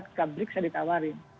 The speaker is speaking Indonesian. ketika break saya ditawarin